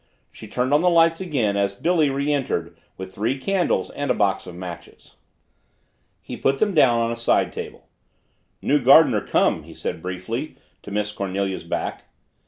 She turned on the lights again as Billy re entered with three candles and a box of matches. He put them down on a side table. "New gardener come," he said briefly to Miss Cornelia's back.